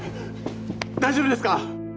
大丈夫ですか？